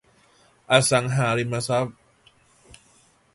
อสังหาริมทรัพย์